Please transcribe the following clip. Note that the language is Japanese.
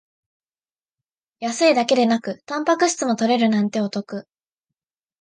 安いだけでなくタンパク質も取れるなんてお得